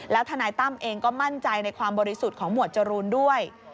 ทนายตั้มเองก็มั่นใจในความบริสุทธิ์ของหมวดจรูนด้วย